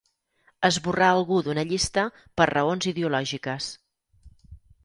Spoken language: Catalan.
Esborrar algú d'una llista per raons ideològiques.